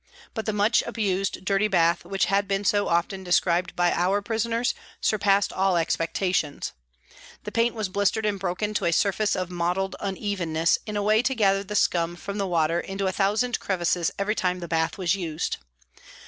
But the much abused, dirty bath which had been so often described by our prisoners, surpassed all expectations. The paint was blistered and broken to a surface of mottled unevenness in a way to gather the scum from the water into a thousand crevices every time the bath was used.